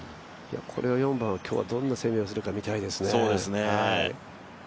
これは４番、今日はどんな攻めをするか見たいですね。